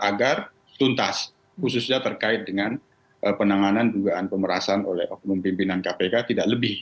agar tuntas khususnya terkait dengan penanganan dugaan pemerasan oleh oknum pimpinan kpk tidak lebih